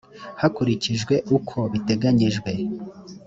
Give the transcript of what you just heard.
hakurikijwe uko biteganyijwe